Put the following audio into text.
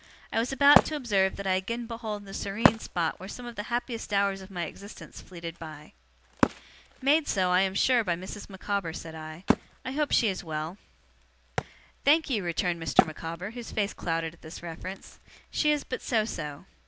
I was about to observe that I again behold the serene spot where some of the happiest hours of my existence fleeted by.' 'Made so, I am sure, by Mrs. Micawber,' said I. 'I hope she is well?' 'Thank you,' returned Mr. Micawber, whose face clouded at this reference, 'she is but so so.